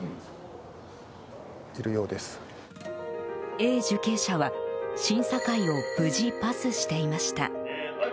Ａ受刑者は審査会を無事パスしていました。